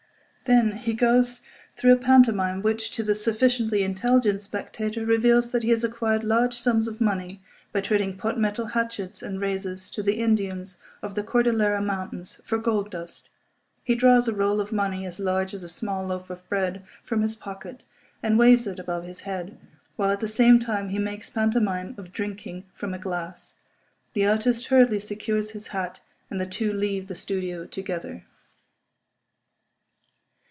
Then he goes through a pantomime which to the sufficiently intelligent spectator reveals that he has acquired large sums of money by trading pot metal hatchets and razors to the Indians of the Cordillera Mountains for gold dust. He draws a roll of money as large as a small loaf of bread from his pocket, and waves it above his head, while at the same time he makes pantomime of drinking from a glass. The artist hurriedly secures his hat, and the two leave the studio together.